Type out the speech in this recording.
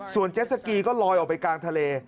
ส่วนเจ็ดสกีก็ลอยออกไปกลางทะเล